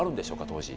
当時。